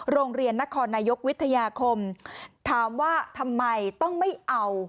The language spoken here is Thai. โรงเรียนนครนายกวิทยาคมถามว่าทำไมต้องไม่เอา